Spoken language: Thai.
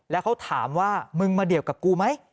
แล้วเขาถามว่ามึงมาเดี่ยวกับกูไหม